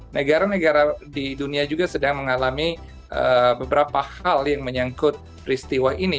negara negara di dunia juga sedang mengalami beberapa hal yang menyangkut peristiwa ini